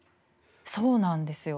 そうなんですよ。